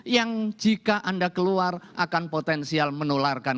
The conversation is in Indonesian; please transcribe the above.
yang jika anda keluar akan potensial menularkan